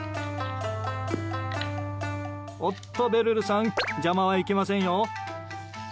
おっと、べるるさん邪魔はいけませんよ。